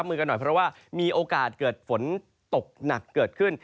เป็นอันตรัมตัวอย่างแบบนี้กระตุกด้วย